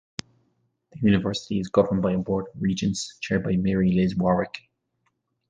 The university is governed by a board of regents chaired by Mary-Liz Warwick.